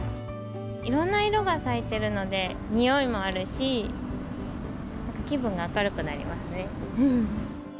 いろんな色が咲いているので、匂いもあるし、なんか気分が明るくなりますね。